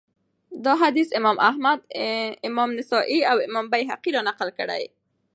دا حديث امام احمد امام نسائي، او امام بيهقي را نقل کړی